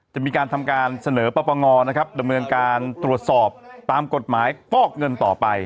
จะมีการทำการเสนอปปงนะครับดำเนินการตรวจสอบตามกฎหมายฟอกเงินต่อไป